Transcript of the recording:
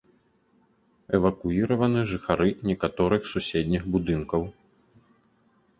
Эвакуіраваны жыхары некаторых суседніх будынкаў.